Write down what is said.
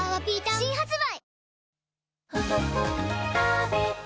新発売